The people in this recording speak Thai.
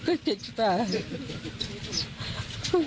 คุณสังเงียมต้องตายแล้วคุณสังเงียม